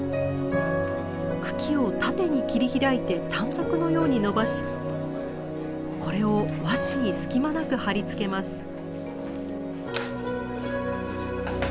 茎を縦に切り開いて短冊のようにのばしこれを和紙に隙間なく貼り付けます。